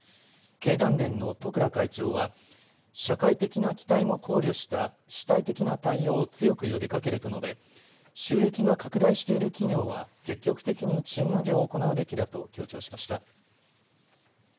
経団連の十倉会長は社会的な期待も考慮した主体的な対応を強く呼びかけると述べ収益が拡大している企業は積極的に賃上げを行うべきだと強調しました。